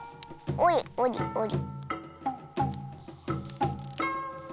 おりおりおり。